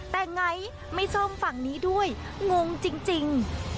แต่ไงไม่ซ่อมฝั่งนี้ด้วยงงจริง